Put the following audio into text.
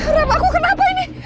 ramahku kenapa ini